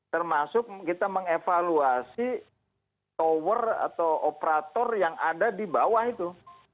termasuk kita mengevaluasi tower atau operator yang ada di bawah itu